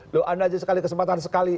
loh anda aja sekali kesempatan sekali